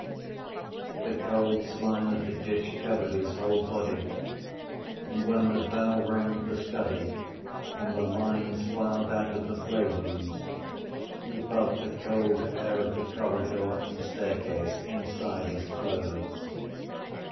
The cold slime of the ditch covered his whole body; and, when the bell rang for study and the lines filed out of the playrooms, he felt the cold air of the corridor and staircase inside his clothes.